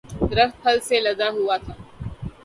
درخت پھل سے لدا ہوا تھا